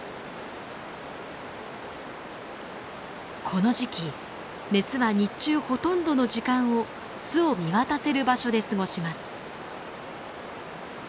この時期メスは日中ほとんどの時間を巣を見渡せる場所で過ごします。